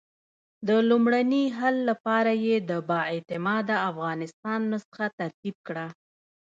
د لومړني حل لپاره یې د با اعتماده افغانستان نسخه ترتیب کړه.